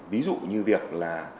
ví dụ như việc là